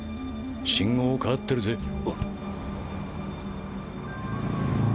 信号変わってるぜ。